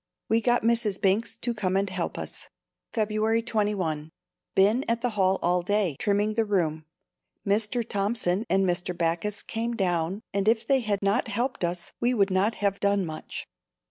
We got Mrs. Binks to come and help us. February 21. Been at the hall all day, trimming the room. Mr. Thompson and Mr. Backus came down and if they had not helped us we would not have done much.